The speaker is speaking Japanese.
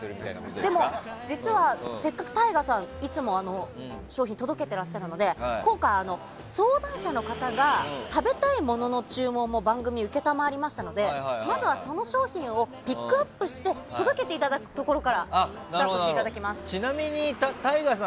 でも、実はせっかくＴＡＩＧＡさんいつも商品を届けていらっしゃるので今回、相談者の方が食べたいものの注文も番組、承りましたのでまずは、その商品をピックアップして届けていただくところからちなみにＴＡＩＧＡさん